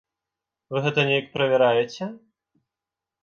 Вы гэта неяк правяраеце?